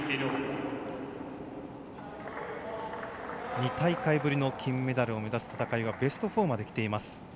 ２大会ぶりの金メダルを目指す戦いがベスト４まできています。